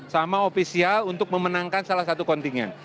sama ofisial untuk memenangkan salah satu kontingen